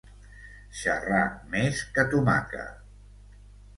Xerrar més que Tomaca.